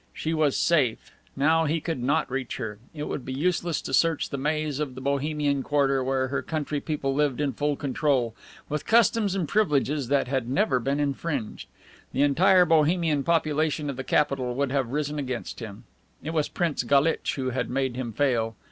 She was safe. Now he could not reach her. It would be useless to search the maze of the Bohemian quarter, where her country people lived in full control, with customs and privileges that had never been infringed. The entire Bohemian population of the capital would have risen against him. It was Prince Galitch who had made him fail.